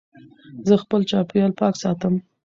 زه خپل چاپېریال پاک ساتم.